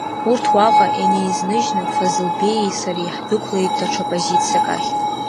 Урҭ уаҟа инеизныжьны Фазылбеии сареи ҳдәықәлеит даҽа позициак ахь.